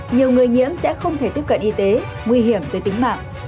nhiều người nhiễm sẽ không thể tiếp cận y tế nguy hiểm tới tính mạng